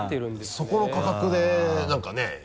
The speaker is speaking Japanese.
そこの価格で何かね。